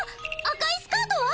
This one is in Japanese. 赤いスカートは？